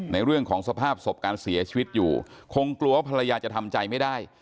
ในเรื่องของสภาพศพการเสียชีวิตอยู่คงกลัวว่าภรรยาจะทำใจไม่ได้